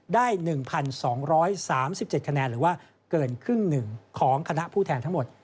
ได้๑๒๓๗คะแนนหรือว่าเกินครึ่งหนึ่งของคณะผู้แทนทั้งหมด